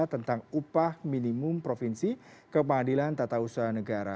tentang upah minimum provinsi kemahadilan tata usaha negara